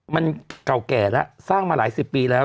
มันเก่าแก่แล้วสร้างมาหลายสิบปีแล้ว